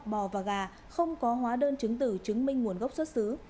bò và gà không có hóa đơn chứng tử chứng minh nguồn gốc xuất xứ